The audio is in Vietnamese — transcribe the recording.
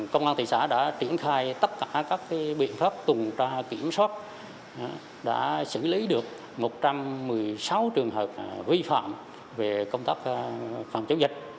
công an thị xã đã triển khai tất cả các biện pháp tùng tra kiểm soát đã xử lý được một trăm một mươi sáu trường hợp vi phạm về công tác phòng chống dịch